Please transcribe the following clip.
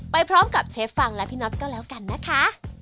ไปพร้อมกับเชฟฟังและพี่น็อตก็แล้วกันนะคะ